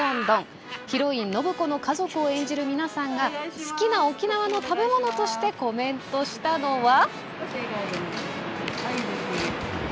ヒロイン暢子の家族を演じる皆さんが好きな沖縄の食べ物としてコメントしたのは。